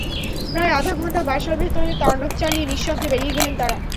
প্রায় আধা ঘণ্টা বাসার ভেতরে তাণ্ডব চালিয়ে নিঃশব্দে বেরিয়ে গেলেন তাঁরা।